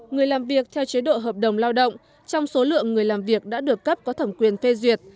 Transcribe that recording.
người làm việc theo chế độ hợp đồng lao động trong số lượng người làm việc đã được cấp có thẩm quyền phê duyệt